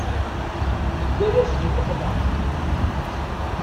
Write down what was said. Nedda-yas di nneqma.